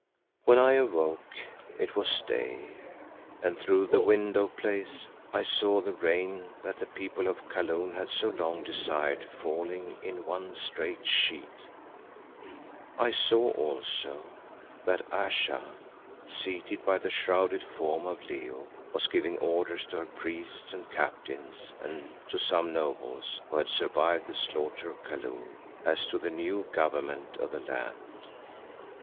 When I awoke it was day, and through the window place I saw the rain that the people of Kaloon had so long desired falling in one straight sheet. I saw also that Ayesha, seated by the shrouded form of Leo, was giving orders to her priests and captains and to some nobles, who had survived the slaughter of Kaloon, as to the new government of the land.